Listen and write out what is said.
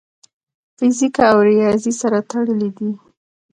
فزیک او ریاضي سره تړلي دي.